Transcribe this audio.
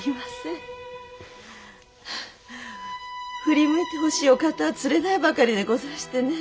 振り向いてほしいお方はつれないばかりでござんしてね。